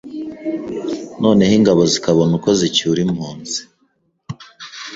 noneho ingabo zikabona uko zicyura impunzi